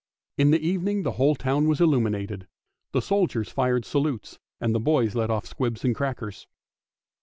In the evening the whole town was illuminated. The soldiers fired salutes, and the boys let off squibs and crackers.